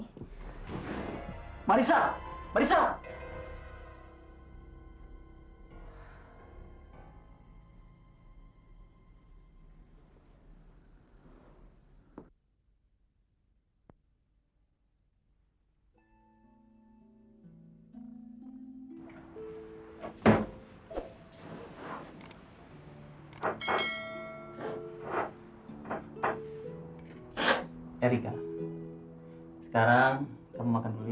kamu sudah tidak suka lagi